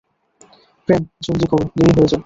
প্রেম, জলদি করো, দেরি হয়ে যাবে।